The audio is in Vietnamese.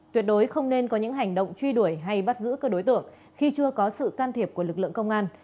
tuyệt đối không nên có những hành động truy đuổi hay bắt giữ cơ đối tượng khi chưa có sự can thiệp của lực lượng công an